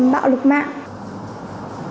bạo lực mạng